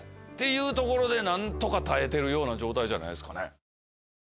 いうところで何とか耐えてる状態じゃないですかね。